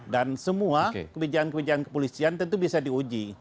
dan semua kebijakan kebijakan kepolisian tentu bisa diuji